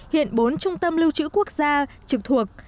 hiện bốn trung tâm lưu trữ quốc gia trực thuộc